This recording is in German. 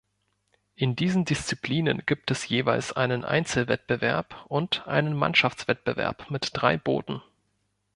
In diesen Disziplinen gibt es jeweils einen Einzelwettbewerb und einen Mannschaftswettbewerb mit drei Booten.